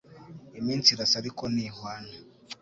Iminsi irasa ariko ntihwana